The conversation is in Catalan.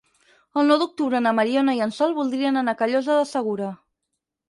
El nou d'octubre na Mariona i en Sol voldrien anar a Callosa de Segura.